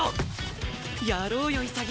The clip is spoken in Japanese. やろうよ潔！